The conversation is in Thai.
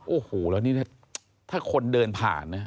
โอ้โฮแล้วนี่แหละถ้าคนเดินผ่านเนี่ย